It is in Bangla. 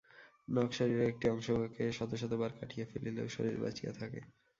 নখ শরীরের একটি অংশ, উহাকে শত শত বার কাটিয়া ফেলিলেও শরীর বাঁচিয়া থাকে।